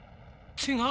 違う！